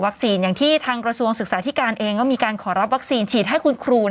อย่างที่ทางกระทรวงศึกษาธิการเองก็มีการขอรับวัคซีนฉีดให้คุณครู